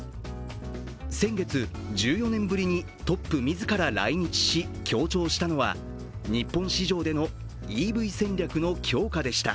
先月、１４年ぶりにトップ自ら来日し強調したのは日本市場でのＥＶ戦略の強化でした。